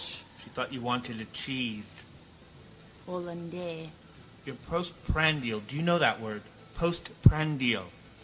_ She thought you wanted a cheese hollandais. Your postprandial, do you know that word? Postprandial.